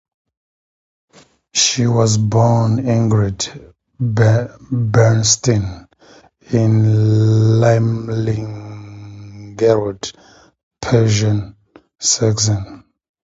She was born Ingrid Bernstein in Limlingerode, Prussian Saxony.